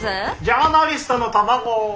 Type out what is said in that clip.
ジャーナリストの卵。